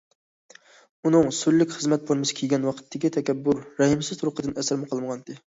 ئۇنىڭ سۈرلۈك خىزمەت فورمىسى كىيگەن ۋاقتىدىكى تەكەببۇر، رەھىمسىز تۇرقىدىن ئەسەرمۇ قالمىغانىدى.